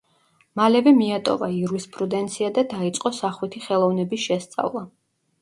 მალევე მიატოვა იურისპრუდენცია და დაიწყო სახვითი ხელოვნების შესწავლა.